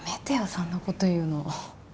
そんなこと言うの。